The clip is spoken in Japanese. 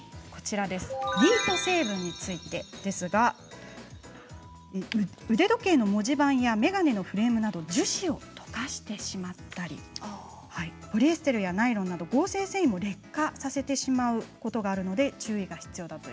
ディート成分について腕時計の文字盤や眼鏡のフレームなどの樹脂を溶かしてしまったりポリエステルやナイロンなどの合成繊維も劣化させたりしてしまうのでご注意ください。